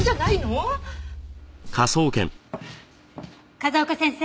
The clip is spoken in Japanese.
風丘先生。